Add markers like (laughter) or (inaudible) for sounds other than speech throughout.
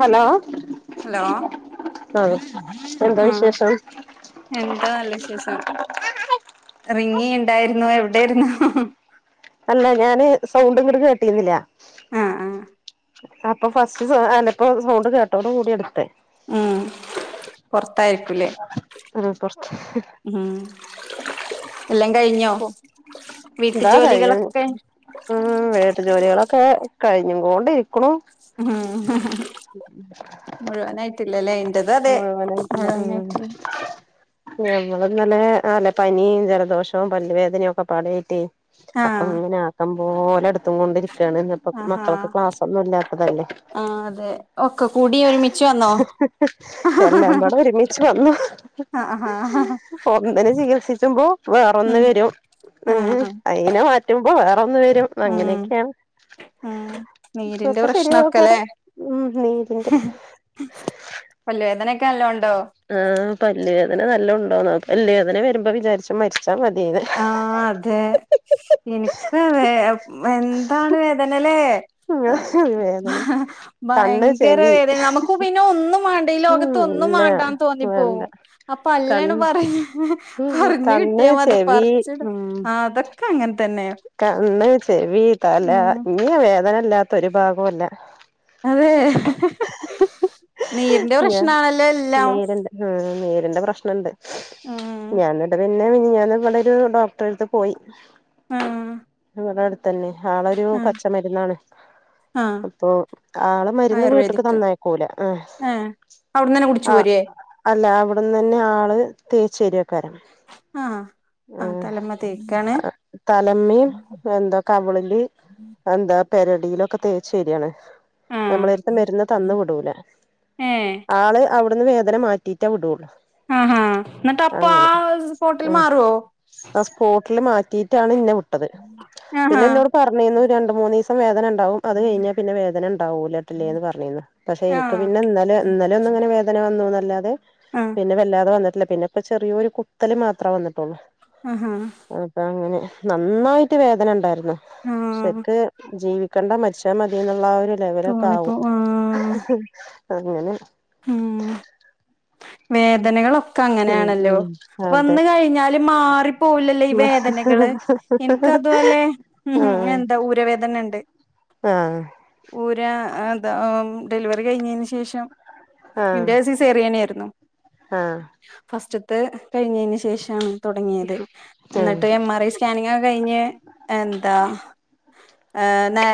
Hello hello ആ എന്താ ആഹ വിശേഷം എന്താ അല്ല വിശേഷം റിങ്ങി ഉണ്ടായിരുന്നു എവിടൊയിരുന്നു അല്ല ഞാന് സൗണ്ടും കുറക്ക് കെട്ടിുന്നില്ല ആ അപ്പൊ ഫസ്റ്റ് അതിപ്പോ സൗണ്ട് കേട്ടോട കൂടി എടുത്ത ഉം പൊറത്തായിരിക്കൂല്ലേ ഉം എല്ലാം കഴിഞ്ഞോ ഉ വീട്ടു എന്താ കഴിയും ജോലികളൊക്കെ ഉ വീട്ടു ജോലികളൊക്കെ കഴിഞ്ഞ കൊണ്ട ഇരിക്കണോ ഉം മുഴുവനായിട്ടില്ലല്ലേ ഇന്റത് അതെ മുഴുവനായിട്ടും മുഴുവനായിട്ടില്ലേ ഞമ്മന്നല്ലെല്ലെ പനിയും ജലദോഷവും പല്ലുവേദനയും ഒക്കെ പാടട്ടേ അപ്പ ആഹ് അങ്ങനെ ആക്ക പോലെടുത്തും കൊണ്ടിരിക്ക കുാണ് ഇന്നപ്പോ ആഹാ മക്കൾക്ക് ക്ലാസ്സ ഒന്നും ഇല്ലാത്തതല്ലേ ആഹ് അതെ ഒക്കെ കൂടി ഒരുമിച്ച് വന്നോ എല്ലാം പടെ ഒരുമിച്ച് വന്നു ആഹാ ഒന്നിനെ ചികിത്സിച്ച ോ വേറെൊന്ന് ഉം വരും ഉ ആഹ് അയിനെ മാറ്റുമ്പോ വേറെൊന്ന് വരും ഉം അങ്ങനെയൊക്കെയാണ് ഉം ഇൊക്കെ ശരി നോക്കാര വല്ലോ എതനക്ക ആഹ പല്ലി വ അതിനെ നല്ലണ്ടോ അല്ലേ അെ വരുമ്പോ വിചാരിച്ച മരിച്ചു ആഹ അതെ എനക്ക് അതേ എന്താണ് വേദനല്ലേ വേദന കണ്ണ് ഭയങ്കര ചെവി വേദന നമുക്ക് പിന്നെ ഒന്നും വേണ്ട ഈ ഉം ലോകത്ത് ഒന്നും ഇല്ല വേണ്ടാന്ന് വേണ്ട തോന്നിപ്പോകും അപ്പൊ കൺ അല്ലണ് പറയാ പറഞ്ഞു കിട്ടിയാ മത വി ഉം അങ്ങനെ തന്നെ കണ്ണ്‌, ചെവി ഉം തലങ്ങുവേ വേദനല്ലാത്ത ഒരു ഭാഗോല്ല. അതേ നീരിന്റെ ഞാ പ്രശ്നാണല്ലോ എല്ലാം. ഇന്റെ പ്രശ്നംണ്ട്. (unintelligible) ഉം ഇന്നാണെങ്കി ഞാൻ നമ്മടൊരൂ ഡോക്ടറടുത്തു പോയി. ആ ഇവിടടു ത്തന്നെ ആളൊരു ആഹ് പച്ച മരുന്നാണ് ആഹ് അപ്പൊ ആള് മരുന്ന് വീട്ടക്ക് ആയുർവേദിക് തന്നയക്കൂല. ആ ഏഹ് അവിടന്നന്നെ കുടിച്ചു ആ പോരേ അല്ല ആ അവിടന്നന്നെ ആള് തേച്ചര്വാ. ആ ആ തലമ്മേതേക്കാണ്. തലമ്മേം എന്താ കവിളില് അന്താ പെരളിയിലൊക്കെ തേച്ചരിയാണ്. ആഹ് നമ്മളടുത്ത് മരുന്ന് തന്നു വിടൂല ഏഹ് ആള് അവിട് അവിട്ന്ന് വേദന മാറ്റിറ്റേ വിട്വോള്ളൂ. ആ ആ എന്നിട്ടപ്പോ ആ അത് സ്പോട്ടില് ആഹ് മാറുവോ? ആ സ്പോട്ടില് മാറ്റി ട്ടാണ് ഇന്നെ വി ട്ടത്. പിന്നെ ആഹാ എന്നോട് പറഞ്ഞിന്നു രണ്ടുമൂന്നീസം വേദന ഒണ്ടാവും അത് കഴിഞ്ഞാ പിന്ന വേദന ഉണ്ടാവൂലട്ടില്ലേന്ന് പറഞ്ഞിന്നു പക്ഷെ എനിക്ക് ആഹ് പിന്നിന്നലെ ഇന്നലെയൊന്നുങ്ങനെ വേദന വന്നു ന്ന് അല്ലാതെ ആഹ് പിന്നെ വല്ലാതെ വന്നിട്ടില് പിന്നെപ്പ ചെറിയോരു കുത്തല് മാത്രേ വന്നിട്ടൊള്ളൂ. ആഹാ അപ്പ അങ്ങനെ. നന്നായിട്ട് വേദന എണ്ടാരുന്നു. ആഹ് ശക്ക് ജീവി ക്കണ്ട മരിച്ചാ മതിയെന്നുള്ള ആ ഒരു രു തോന്നിപ്പോ ലെവലൊക്കാകും. ആഹ് അങ്ങനെ. ഉം ഉം വേദനകളൊക്കെങ്ങനെയാണല്ലോ ഉം അതെ വന്നു കഴിഞ്ഞാല് മാറി പോവില്ലല്ലോ ഈ വേദനകള് എനക്ക് അതുപോലെ ഉ എന്താ ഊരവേദന എണ്ട്. ആ ഊരാ അത ആ ഡെലിവറി കഴിഞ്ഞേന് ശേഷം ഇന്റെ സീസേറിയനായിരുന്നു ആ ഫസ്റ്റത്തെ കഴിഞ്ഞേന് ശേഷാണ് തൊടങ്ങിയത് ആഹ് എന്നിട്ട് എം ആർ ഐ സ്കാനിങ് ഒക്ക കഴിഞ്ഞ് എന്താ ഏ നേ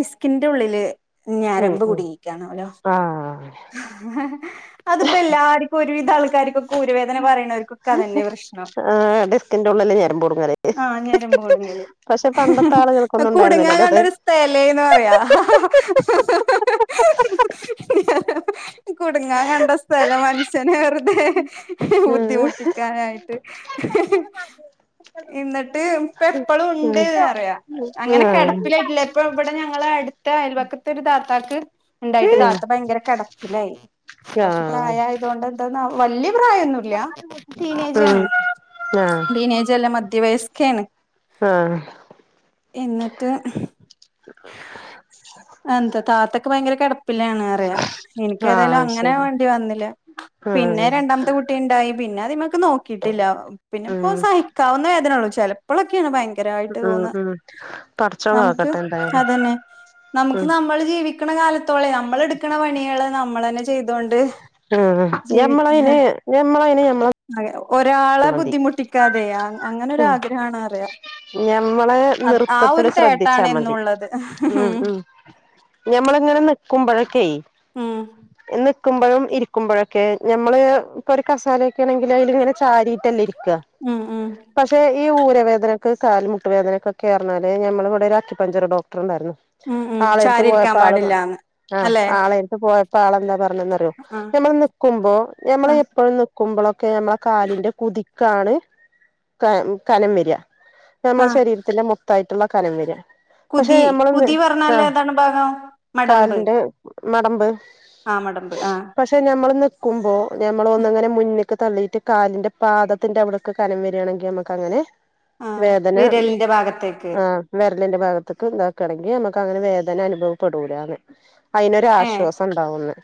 ഡിസ്കിന്റെ ഉള്ളില് ഉം ഞരമ്പ് ഉം കുടിക്കാണലോ ആഹ് അതിപ്പോ എല്ലാ ഒരു വിധം ആൾക്കാർക്കൊക്കെ ഊരുവേദന പറയുണോർക്കൊ ആ ഡിസ്കിന്റെ ഉള്ളിൽ ഞരമ്പ് കുടുങ്ങല് ആഹ ഞരമ്പ് കുടുങ്ങല് പക്ഷെ പണ്ടത്തെ ആളുകൾക്കൊന്നും കുടുങ്ങാ ഉണ്ടായിരുന്നില്ലല്ലോ അത് കണ്ടരു സ്ഥലേന്ന് പറയാ കുടുങ്ങാ കണ്ട സ്ഥലം മനുഷ്യനെ വെറുതെ (inaudible) ഉം ബുദ്ധിമുട്ടിക്കാനായിട്ട് എന്നിട്ട് ഇപ്പ എപ്പളും ഉം ഉണ്ട്ന്ന് പറയാ അങ്ങനെ ആഹ് കെടപ്പിലാട്ടില്ല ഇപ്പ ഇവിടെ ഞങ്ങള് അടുത്ത അയൽവക്കത്തൊരു താ താക്ക് ഉണ്ടായിട്ട് ഉം താത്ത ഭയങ്കര കെട പ്പിലായി കൊറച്ച് ആഹ് പ്രായയതുകൊണ്ട് എന്താന്ന വല്യ പ്രായൊന്നുല്ല ടീനേജ് ഉം ആണ് ആഹ് ടീനേജല്ലാ മ സ്ക്കാണ് ആഹ് എന്നിട്ട് എന്തോ താത്തക്ക് ഭയങ്കര കെട പ്പിലാണ് പറയ എനിക്ക് ഏതായാലും ആഹ് അങ്ങനെ ശരി വേണ്ടി വന്നില്ല പിന്നെ ആഹ് രണ്ടാമത്തെ കുട്ടി ഇണ്ടായി പിന്നെ അതിമെക്ക് നോക്കിയിട്ടില്ല പിന്നെ ഇപ്പോ ഉം സഹിക്കാവുന്ന ആ ചിലപ്പോഴൊക്കെയാണ് ഭയ ഭയങ്കരായിട്ട് ഉം തോന്നുന്നെ ഉം പടച്ചോൻ നമ്മുക്ക് കാക്കട്ടെ എന്തായാലും അതന്നെ നമുക്ക് ഉം നമ്മള് ജീവി ക്കണ കാലത്തോളെ നമ്മളെടുക്കണ പണികള് നമ്മളന്നെ ചെയ്തോണ്ട് ആ ജീവിക്ക ഞമ്മളങ്ങനെ ഞമ്മളങ്ങനെയല്ല ഒരാളെ ബുദ്ധിമുട്ടിക്കാതെയാ ഉം ഞമ്മള് അത് ആ നിറുത്തത്തില് ഒരു ശ്രദ്ധിച്ചാ തേട്ടാണ് മതി എന്നുള്ളത് ഉം ഉം ഞമ്മളെങ്ങനെ നി കുമ്പഴൊക്കെയേ ഉം എങ്ങ നിക്കുമ്പോഴും ഇരിക്കുമ്പോഴൊക്കെ ഞമ്മള് ഒരു കസേര ഇരിക്കണെങ്കിലതിലിങ്ങനെ ചാരിട്ടല്ലേ ഇരി ഉം ഉം ഈ ഊരവേദനക്ക് കാൽമുട്ട് വേദനക്കൊക്കെ പറഞ്ഞാല് ഞമ്മളിബടെ ഒരു അക്കിപഞ്ചർ ഡോക്ടറുണ്ടായിരുന്നു ഉം ഉം ആളെടുത്ത് ചാരിരിക്കാൻ പോയപ്പോ ആള് പാടില്ലാന്ന് ആ അല്ലെ ആളെടുത്ത് പോയപ്പോ ആളെന്താ പറഞ്ഞെന്നറിയോ ആ ഞമ്മള് നിക്കുമ്പോ ആ ഞമ്മള് എപ്പോഴും നിക് കുമ്പളൊക്കെഅമ്മ കാലിന്റെ കുതി കാണ് ക കനം വരുക ആ ഞമ്മളെ ശരീരത്തിന്റെ മു ത്തായിട്ടുള്ള കലം വിര പക്ഷെ കുതി ഞമ്മൾ കുതി അ പറഞ്ഞാല് ഏതാണ് ഭാഗം മടമ്പ് കാലിന്റെ മടമ്പ് ആ മടമ്പ് ആ പക്ഷെ ഞമ്മള് നിൽക്കുമ്പോ ഞമ്മൾ ഒന്ന് അങ്ങനെ മുന്നിൽ പ്പ തല്ലിട്ട് കാലിന്റെ പാദത്തിന്റെ അവിടക്ക് കനം വരാണെങ്കിൽ നമുക്ക് അങ്ങനെ ആ വേദന വിരലിന്റെ ഭാഗത്തേക്ക് ആ വിരലിന്റെ ഭാഗത്തേക്ക് ഇതാക്കാണെങ്കിൽ നമുക്ക് അങ്ങനെ വേ ഞാൻ അനുഭവപ്പെടൂലാന്ന്. ഏ അതിനൊരാശ്വാസം ഉണ്ടാവുന്നു,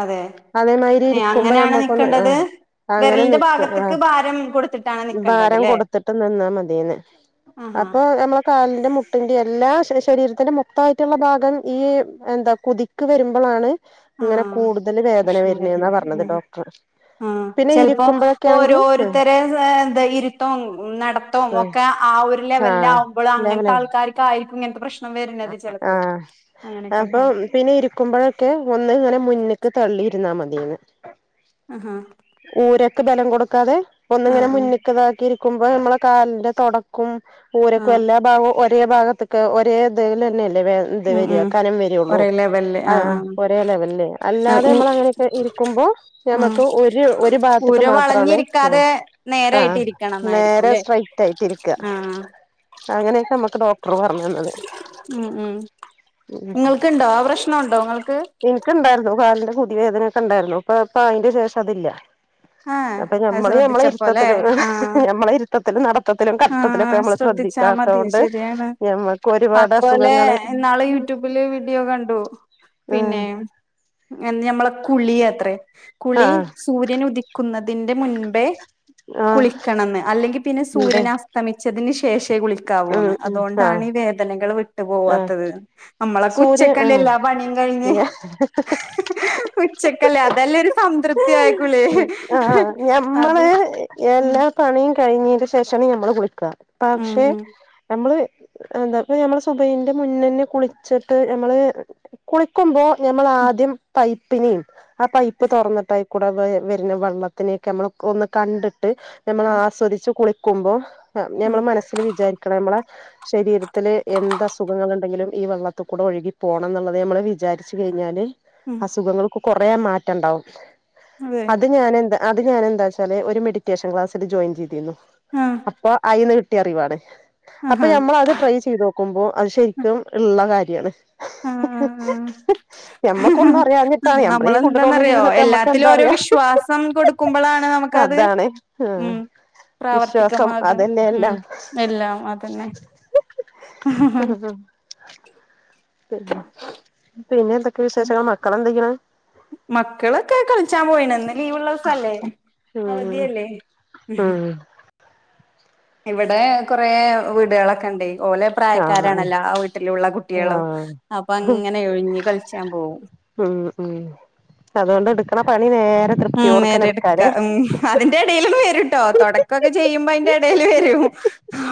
അതെ അതേമാതിരി ഇരിക്കുമ്പോ ഞമ്മക്കൊന്ന് ഹ ആ എന്റെ ഭാഗത്ക്ക് ഭാരം കൊടുത്തിട്ടാണ് നിക്കേണ്ടത് ല്ലേ ഭാരം കൊടുത്തിട്ട് നിന്നാ മതിഎന് ആഹാ അപ്പൊ നമ്മെ കാലിന്റെ മുട്ടിന്റെ എല്ലാ ശരീരത്തിന്റെ മുക്തായിട്ടുള്ള ഭാഗം ഈ എന്താ കുതിക് വരുമ്പോളാണ്. ഇങ്ങനെ ആഹ് കൂടുതൽ വേദന പ്രശ്നം വരുണ് എന്നാ വരുന്നത് പറഞ്ഞത് ആഹ് ഡോക്ടർ ആഹ് പിന്നെ ചെലപ്പോ ഇരിക്കുമ്പോഴൊക്കൊണെങ്കിൽ ഉം. ദാ ഇരിട്ടാവുന്നു. ഉം നടത്തോ ഒക്കെ ആ ഒരു ലെവലിൽ ആഹ് ആവുമ്പോൾ അങ്ങനത്തെ ആൾക്കാർക്കായി അങ്ങനത്തെ പ്രശ്നം വര് ആഹ അപ്പൊ പിന്നെ ഇരിക്കുമ്പോഴൊക്കെ ഒന്ന് ഇങ്ങനെ മുന്ക്ക് തള്ളിയിരുന്നാ മതീന്ന്. ആഹാ ഊരക്ക് ബലം കൊടുക്കാതെ ഒന്നിങ്ങനെ ആഹ് ആഹ് മുന്ന്ക്ക്താക്കി ഇരി കുംഭാ ഞമ്മളെ കാലിന്റെ തുടക്കും ഊരക്കും ആഹ് എല്ലാ ഭാഗവും ഒറ്റ് ഒരേഭാഗത്ത്ക്ക് ഒരേ തീല്ലെന്നെല്ലേ? ദെവെന്ത് ഉം വര ഉം ഘനംവരെയുള്ളും, ഒരേ ലെവലില് അത ആഹ് അ ആഹ് ഒരേ ലെവലിൽ ഉ അല്ലാതെനമ്മളങ്ങനെ എക്കെ ഇരിക്കുമ്പോ ആഹ് ഞമ്മക്ക് ഒരു ഒരു ഒരുഭാഗത്തക്ക് ഉര മാത്രആന്ന് അ വളഞ്ഞിരിക്കാതെ ആ നേരായിട്ട് ഇരിക്കണം നേരെ എന്നായിരിക്കുംല്ലേ സ്ട്രൈറ്റ് ആയിട്ട് ഇരിക്ക ആഹ് അങ്ങനെയെക്കെ നമ്മുക്ക് ഡോക്ടർ പറഞ്ഞന്നത്. ഉം ഉം നിങ്ങൾക്കുണ്ടോ ആ പ്രശ്നം ഉണ്ടോ നിങ്ങൾ എനിക്ക് ഇണ്ടായിരുന്നു കാലിന്റെ പുതിയവേദനയൊക്കെ ഉണ്ടായിരുന്നു, ഇപ്പൊ ഇപ്പ അതിന്റെ ശേഷം അതില്ല. ആഹ് അപ്പൊ അത് ഞമ്മള് ഞമ്മളെ ശ്രദ്ധിച്ചപ്പോല്ലേ ഇരുത്തത്തിലും, ആഹ് ഞമ്മളെ ഇരുത്തത്തിലും, നടത്തത്തിലും, കറത്തത്തിലും, ആഹ് ഒക്കെ നമ്മള് ശ്രദ്ധിച്ചാ ശ്രദ്ധിക്കാത്ത മതി കൊണ്ട് ശരിയാണ് ഞമ്മക്ക് ഒരുപാട് അതുപോലെ അസുഖങ്ങള്. ഇന്നാള് ഉം പിന്നെയും ഇങ്ങ ഞമ്മളെ കുളി യത്ര കുളി ആഹ് സൂര്യനുദി ക്കുന്നതിന്റെ മുൻപേ ആഹ് കുളിക്കണംന്ന് അല്ലെങ്കിൽ പിന്നെ ഉണ്ട് സൂര്യൻ അസ്തമിച്ചതിന് ശേഷ ശേഷം ഉം കുളിക്കാവൂന്ന് ഉം അതൊണ്ടാണ് ആഹ് ഈ വേദനകള് വിട്ട് ആഹ് പോവാത്തത് നമ്മളൊക്കെ സൂര്യ ഉച്ചക്കല്ലല്ലാ ആഹ് പണിയും കഴിഞ്ഞ് ഉച്ചക്കല്ലേ അതെല്ലരു സംതൃപ്തി ആയക്കുളി ആ ഞമ്മള് ഉം എല്ലാ പണിയും ക കഴിഞ്ഞതിന്റെ ശേഷമാണ് ഞമ്മള് കുളിക്കുക ഉം പക്ഷെ ഉം നമ്മള് അതാ അപ്പൊ നമ്മളെ സ് സുഭന്റെ മുന്നന്നെ കുളിച്ചിട്ട് നമ്മള് കുളിക്കുമ്പോൾ ഞമ്മൾ ആദ്യം പൈപ്പിനെയും ആ പൈപ്പ് തുറന്നിട്ടായിക്കൂടെ വരുന്ന വെള്ളത്തിനെയൊക്കെ നമ്മൾ ഒന്ന് കണ്ടിട് ട്ട് നമ്മള് ആസ്വദിച്ചു കുളി ക്കുബോൾ ആ ഉം ഞമ്മൾ മനസ്സിൽ വിചാരിക്കണം നമ്മളെ ശരീരത്തില് എന്ത സുഖങ്ങള് ഉണ്ടെങ്കിലും ഈ വെള്ളത്തിൽക്കൂടെ ഒഴുകി പോകണം എന്നുള്ളത് ഞമ്മള് വിചാരിച്ചു കഴിഞ്ഞാല് ഉം അസുഖങ്ങള് കു കൊറേ മാറ്റം ഇണ്ടാവും അതെ അത് ഞാനെന്താ അത് ഞാനെന്താ വച്ചാൽ ഒരു മെഡിറ്റേഷൻ ക്ലാസിൽ ജോയിൻ ചെയ്തിരുന്നു ആഹ് അപ്പൊ അയിന്ന് കി കുട്ടി അറിവാണ് അപ്പൊ ആഹാ ഞമ്മള് അത് ട്രൈ ചെയ്തോക്കും നോക്കുമ്പോ അത് ശരിക്കും ഇള്ള കാര്യണ് ആഹ് ആഹ് ആഹ് ഞാമ്മക്കൊന്നും അറിയഞ്ഞിട്ടാണ് നമ്മുടെ ഈ കുണ്ടത്തള്ളിൽ നമ്മളെന്താന്നറിയോ ഇരുന്നിട്ട് ഞമ്മക്ക് എന്താ എല്ലാത്തിലും ഓരോ അറിയാം വിശ്വാസം കൊടുക്കുമ്പളാണ് നമുക്കത് അതാണ് ഉം വിശ്വാസം പ്രാവർത്തികമാക ഉം അതെല്ലെയെല്ലാം ആ ഹാ ശരി പിന്നെ എന്തൊക്കെ വിശേഷങ്ങൾ മക്കൾ എന്തെക്കെയാണ് മക്കളൊക്കെ കളിച്ചാൻ പോയിനന്ന് ഇന്ന് ലീവ്ള്ള ദിവസല്ലേ ഉം അവധിയല്ലേ ഉം ഇവിടെ കൊറെ വീടുകളൊക്കെ ഇണ്ടേ ഓലെ പ്രായക്കാരാണല്ലോ ആ വീട്ടിലുള്ള കു ആ കളിച്ചാൻ പോവും ഉം ഉം അതുകൊണ്ട് എടു ക്കണ പണി വേ ഉം നേരെടുക്ക ഉ അതിന്റെ ഇടേലൊന്ന് വര്ട്ടോ തുടക്കമൊക്കെ ചെയ്യുമ്പോ അതിന്റെ ഇടേല് വരും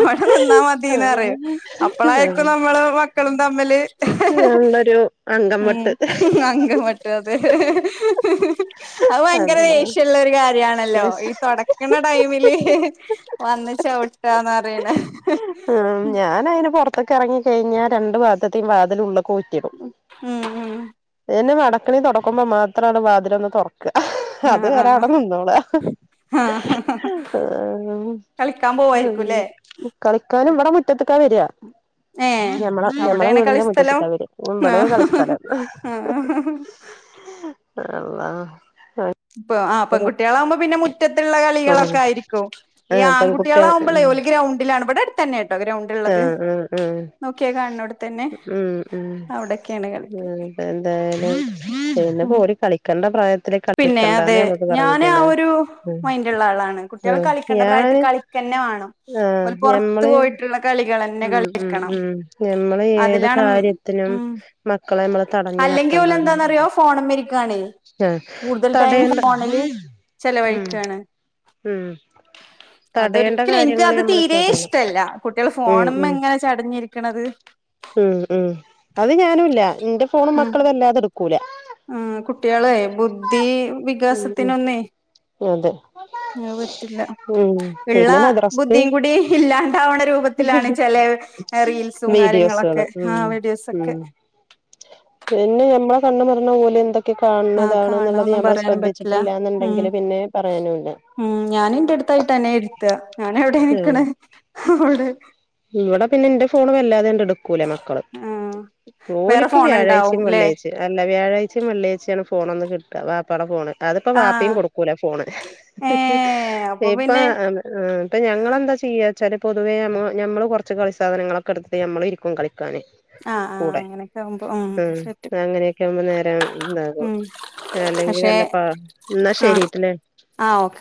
അവിടെ നിന്നാ മത്യേനിറേ അപ്പളായിരിക്കും നമ്മള് മക്കളും തമ്മില് ഇത് നല്ലൊരു അങ്കം ഉം വെട്ട് ആഹ ഭയങ്കര ദേഷ്യള്ളൊരു കാര്യണല്ലോ ഈ തൊടക്ക്ണ ടൈംമില് വന്ന് ചവ്ട്ട ഉം ഞാന് അയിന് പൊറ ഇതക്കെ ഇറങ്ങി കഴിഞ്ഞാ രണ്ട്ുാദത്തെയും വാതിലുള്ളള്ള കുറ്റിടും ഉം എന്നെ വ അട്ക്ക്ണിം തൊടക്കുമ്പോ മാത്രാണ് വതിലൊന്ന് തോറ ഉം അത് ആഹ് വരേ ആഹ് അവടെ നിന്നോള ആഹ് കളിക്കാൻ പോവായിരിക്കുംല്ലേ? കളിക്കാനും ഇവടെ മുറ്റത്ത് ക്ക വരാ ഏഹ് ഞമ്മള് ഞമ്മളെ അവടേണ് വീടിന്റെ കളിസ്ഥലം? മുറ്റത്ത്ക്കവരാ മ്മ് ഇവടെയാണ് കളിസ്ഥലം ആഹ് ആഹ് അള്ളാ ഇ ആ പെൺകുട്ട്യാളാവുമ്പോ പിന്നെ മുറ്റത്തുള്ള ഉം കളികളൊക്കെ ആയിരിക്കും ഈ ആഹ് പെൺകുട്ടിയാണ് ആൺകുട്ടികളാവുമ്പളെ ഒല് ഗ്രൗണ് ണ്ടിലാണ് ഇവടെ അട്ത്തന്നേ ആ ആ ആ കാണുന്നോടത്ത് തന്നെ ഉം ഉം അവിടൊക്കെയാണ് കളിക്ക ഉം അതെ ആ ഉം എന്നപ്പോര് കളിക്കണ്ട പ്രായം പിന്നെ അതെ ഞാന് ആ ഒരു ഉം മൈന്റ്ള്ള ആളാണ് കുട്ട്യാള് ഉം കളിക്കേണ്ട പ്രായത്ത് ഞാന് കളിക്കന്നെ വാണം ആഹ് ഓല് പൊറത്ത് ഞമ്മള് പോയിട്ട്ള്ള കളി ഉം ഉം ഉം നമ്മള് ഏത് അതിലാണ് കാര്യത്തിനും ഉം മക്കളെ നമ്മള് തടഞ്ഞ് അല്ലെങ്കിൽ നിർത്താൻ ഓല് പാടില്ല എന്താന്നറിയോ ഫോണുമ്മേ ഇരിക്കാണേ ചെ കൂടുതൽ ടൈം ഫോണില് ഉം ചെലവഴിക്കയാണ് ഉം തടയേണ്ട എനിക്ക് കാര്യങ്ങൾ അത് നമ്മള് തീരെ തടയണം ഇഷ്ടല്ല കുട്ടികൾ ഉം ഫോണുമ്മ ഉം എങ്ങനെ ചടഞ്ഞിരിക്കണത് ഉം ഉം അത് ഞാനുല്ല ഇന്റെ ഫോണും മക്കൾ വല്ലാതെ ഇട് ആ കുട്ട്യാളെ ബുദ്ധി ഉം ഉം വികാസത്തിനൊന്നേ അതെ അത്പറ്റില്ല ഉം ഉള്ള പിന്നെ മദ്രസ്ക്ക് ബുദ്ധിയും കൂടി ഇല്ലാണ്ടാവണ രൂപത്തിലാണ് ചെല റീൽസും കാര്യങ്ങളൊക്കെ വീഡിയോസുകള് ആ ഉം ഉം വീഡിയോസോക്കെ പിന്നെ ഞമ്മളെ കണ്ണ് മറഞ്ഞ ഓലെന്തോ ക്കേ കാണ്ന്നതാണ്ന്ന്ള്ളത് കാണാന്നും ഞമ്മള് പറയാനും പറ്റില്ല ഉം ശ്രദ്ധിച്ചിട്ടില്ലാന്ന്ണ്ടെങ്കിൽ പിന്നെ പറയാനു ഉം ഞാനിന്റെ എട്ത്തായിട്ടെന്നെ ഇര്ത്ത എവിടെ ആഹ് നിക്കണെ അവിടെ ഇവിടെ പിന്നെ ന്റെ ഫോണ് വല്ലാതെണ്ട് ട് ക്കൂല മക്കൾ ആ വേറെ ഓല്ക്ക് ഫോൺ ഉണ്ടാവും വ്യാഴാഴ്ചയും ല്ലേ വെള്ളിയാഴ്ചയും അല്ല വ്യാഴാഴ്ച്ചയും വെള്ളിയാഴ്ച്ചയാണ് ഫോണൊന്ന് കിട്ടാ വാപ്പാടെ ഫോണ് അതിപ്പോ ആ വാപ്പിം കൊടുക്കൂല ഫോണ് ഏ അപ്പൊ പിന്നെ ഇപ്പം ഞങ്ങളെന്ത ചെയ്യ എന്താ ച്ചാല് പൊതുവേ നമ്മ ഞമ്മൾ കൊറച്ച് കളി സാധനങ്ങളൊക്കെ എടുത്ത് നമ്മളിരിക്കും കളി ക്കാൻ ആ ആ കൂടെ അങ്ങനെയൊക്കെ ആകുമ്പോ ഉം ശരി അങ്ങനെയൊക്കെ ആവുമ്പോ നേരം ഇതാകും ഉം അല്ലെങ്കി പക്ഷെ നല്ല പ എന്നാ ആഹ് ശരിട്ടില്ലേ ആഹ് ഓക്കെ